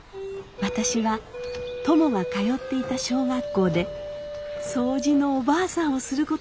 私はトモが通っていた小学校で掃除のおばあさんをすることになりました」。